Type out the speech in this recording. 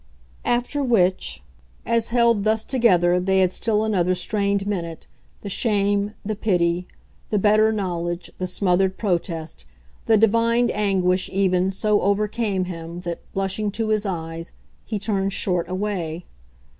After which, as, held thus together they had still another strained minute, the shame, the pity, the better knowledge, the smothered protest, the divined anguish even, so overcame him that, blushing to his eyes, he turned short away.